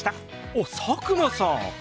おっ佐久間さん！